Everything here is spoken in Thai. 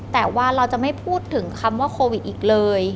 แต่ว่าเราจะไม่พูดถึงคำว่าโควิดอีกเลย